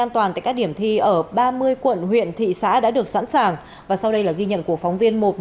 an toàn tại các điểm thi ở ba mươi quận huyện thị xã đã được sẵn sàng và sau đây là ghi nhận của phóng viên một